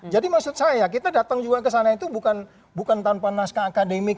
jadi maksud saya kita datang juga ke sana itu bukan tanpa naskah akademik